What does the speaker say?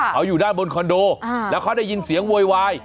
เขาอยู่ด้านบนคอนโดแล้วเขาได้ยินเสียงโวยวาย